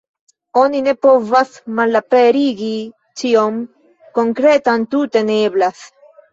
Oni ne povas malaperigi ĉion konkretan, tute ne eblas.